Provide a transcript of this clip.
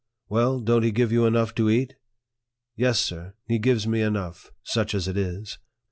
" Well, don't he give you enough to eat ?"" Yes, sir, he gives me enough, such as it is."